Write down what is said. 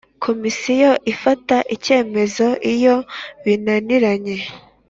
Komisiyo ifata icyemezo Iyo binaniranye